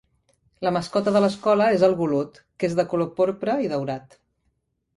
La mascota de l'escola és el golut, que és de color porpra i daurat.